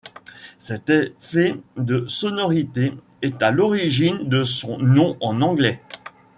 Cet effet de sonorité est à l'origine de son nom en anglais.